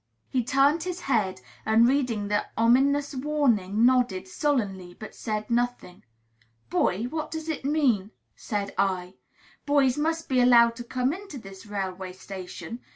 He turned his head, and, reading the ominous warning, nodded sullenly, but said nothing. "Boy, what does it mean?" said I. "Boys must be allowed to come into this railway station.